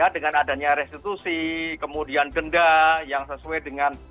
dengan adanya restitusi kemudian denda yang sesuai dengan